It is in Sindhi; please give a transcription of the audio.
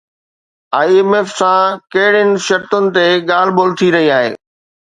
آءِ ايم ايف سان ڪهڙين شرطن تي ڳالهه ٻولهه ٿي رهي آهي؟